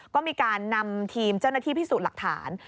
ก็มีการนำทีมเจ้าหน้าที่พิสูจน์หลักฐาน